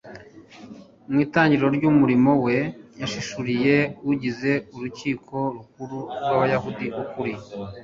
Mw’itangiriro ry’umurimo we, yahishuriye ugize Urukiko Rukuru rw’Abayahudi ukuri